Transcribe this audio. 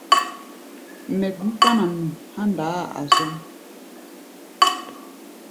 Mɛ gú kpána nu há̧ ndaá-a zɔ́m.